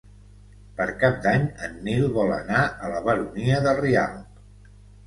Per Cap d'Any en Nil vol anar a la Baronia de Rialb.